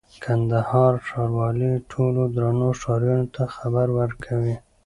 کندهار ښاروالي ټولو درنو ښاريانو ته خبر ورکوي: